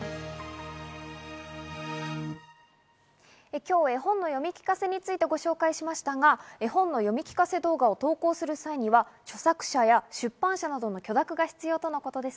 今日、絵本の読み聞かせについてご紹介しましたが、絵本の読み聞かせ動画を投稿する際には、著作者や出版社などの許諾が必要です。